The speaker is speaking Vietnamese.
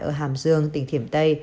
ở hàm dương tỉnh thiểm tây